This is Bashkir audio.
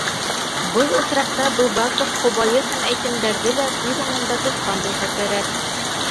Был осраҡта С. Г. Быбаков ҡобайыр һәм әйтемдәрҙе лә күҙ уңында тотҡан булһа кәрәк.